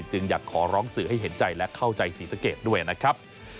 จึงอยากขอร้องสื่อให้เห็นใจและเข้าใจศรีสะเกดด้วยนะครับ